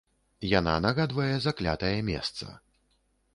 Яна нагадвае заклятае месца.